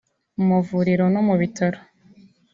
mu mavuriro no mu bitaro